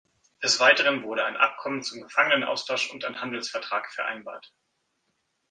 Des Weiteren wurde ein Abkommen zum Gefangenenaustausch und ein Handelsvertrag vereinbart.